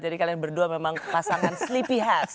jadi kalian berdua memang pasangan sleepyhead